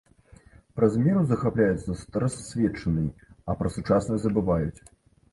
Праз меру захапляюцца старасветчынай, а пра сучаснае забываюць.